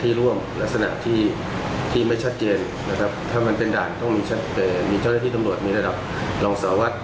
ร่วมลักษณะที่ที่ไม่ชัดเจนนะครับถ้ามันเป็นด่านต้องมีเจ้าหน้าที่ตำรวจมีระดับรองสารวัตร